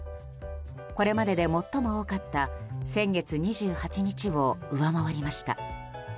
これまでで最も多かった先月２８日を上回りました。